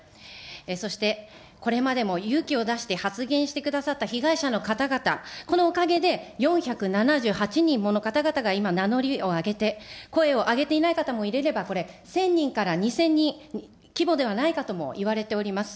そしてこれまでも勇気を出して発言してくださった被害者の方々、このおかげで、４７８人もの方々が今、名乗りを上げて、声を上げていない方も入れれば、これ１０００人から２０００人規模ではないかともいわれております。